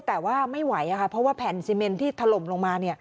แต่ว่าไม่ไหวค่ะเพราะว่าแผ่นซีเมนที่ถล่มลงมา